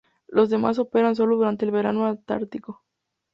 Las demás operan sólo durante el verano antártico.